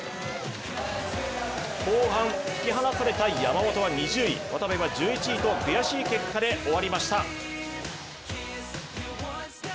後半、引き離された山本は２０位、渡部は１１位と悔しい結果で終わりました。